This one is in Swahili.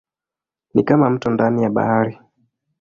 Ni kama mto ndani ya bahari.